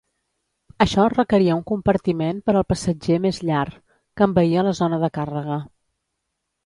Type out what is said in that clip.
Això requeria un compartiment per al passatger més llar, que envaïa la zona de càrrega.